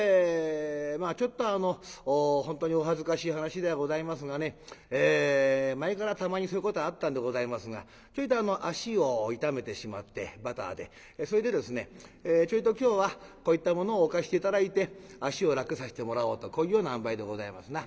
ちょっと本当にお恥ずかしい話ではございますがね前からたまにそういうことはあったんでございますがちょいと足を痛めてしまってバターでそれでちょいと今日はこういったものを置かして頂いて足を楽させてもらおうとこういうようなあんばいでございますな。